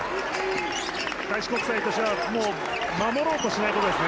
開志国際としてはもう守ろうとしないことですね。